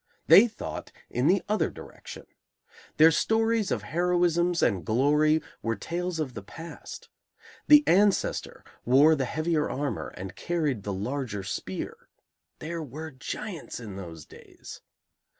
They thought in the other direction. Their stories of heroisms and glory were tales of the past. The ancestor wore the heavier armor and carried the larger spear. "There were giants in those days."